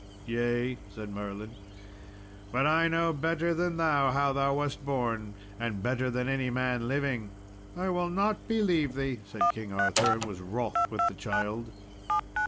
"Yea," said Merlin, "but I know better than thou how thou wast born, and better than any man living." "I will not believe thee," said King Arthur, and was wroth with the child.